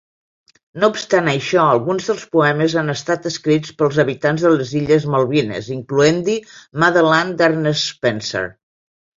No obstant això, alguns dels poemes han estat escrits per els habitants de les illes Malvines, incloent-hi, "Motherland" d'Ernest Spencer.